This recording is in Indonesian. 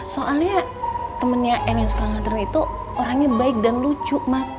soalnya temennya n yang suka nganter itu orangnya baik dan lucu mas